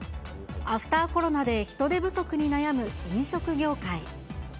アフターコロナで人手不足に悩む飲食業界。